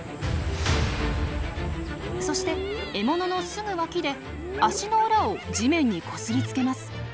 そして獲物のすぐ脇で足の裏を地面にこすりつけます。